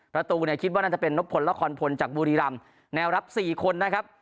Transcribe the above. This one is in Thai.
ประตูเนี่ยคิดว่าน่าจะเป็นนบพลละครพลจากบุรีรำแนวรับสี่คนนะครับ